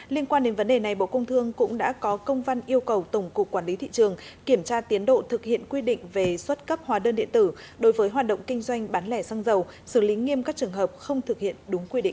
liên quan đến vấn đề này bộ công thương cũng đã có công văn yêu cầu tổng cục quản lý thị trường kiểm tra tiến độ thực hiện quy định về xuất cấp hóa đơn điện tử đối với hoạt động kinh doanh bán lẻ xăng dầu xử lý nghiêm các trường hợp không thực hiện đúng quy định